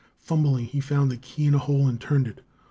Fumbling, he found the key in the hole and turned it.